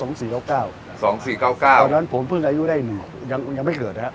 เพราะฉะนั้นผมเพิ่งอายุได้หนึ่งยังไม่เกิดแล้ว